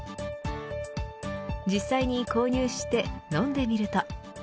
実際に購入して飲んでみると。